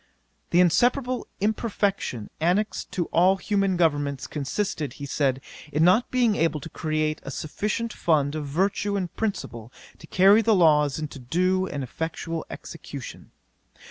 'The inseparable imperfection annexed to all human governments consisted, he said, in not being able to create a sufficient fund of virtue and principle to carry the laws into due and effectual execution.